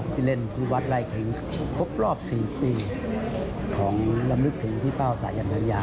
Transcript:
ที่เล่นครูวัดไร่เข็งครบรอบสี่ปีของลำลึกถึงพี่เป้าสายังสัญญา